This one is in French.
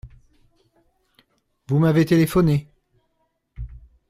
Vous m’avez téléphoné ?